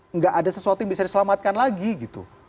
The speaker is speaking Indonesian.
nggak ada sesuatu yang bisa diselamatkan lagi gitu